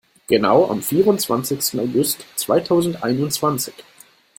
Genau am vierundzwanzigsten August zweitausendeinundzwanzig.